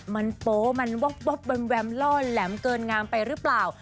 มันโป๊มันวับแวมล่อแหลมเกินงามไปหรือเปล่า